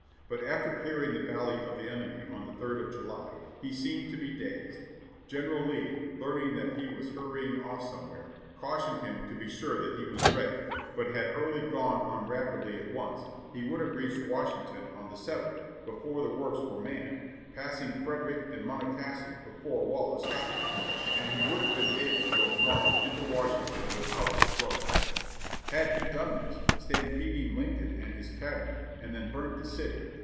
But after clearing the Valley of the enemy on the 3rd of July he seemed to be dazed. General Lee, learning that he was hurrying off somewhere, cautioned him 'to be sure that he was ready,' but had Early gone on rapidly at once, he would have reached Washington on the 7th, before the works were manned, passing Frederick and Monocacy before Wallace got there, and he would have been able to have marched into Washington without a 42 658 JOHNNY REB and BILLY YANK Struggle. Had he done this, stampeding Lincohi and his Cabinet, and then burnt the city.